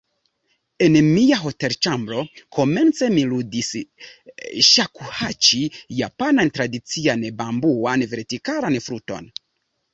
En mia hotelĉambro, komence mi ludis ŝakuhaĉi, japanan tradician bambuan vertikalan fluton.